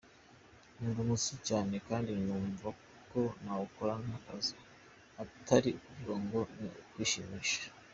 Nkunda umuziki cyane kandi numva ko nawukora nk’akazi atari ukuvuga ngo ni ukwishimisha.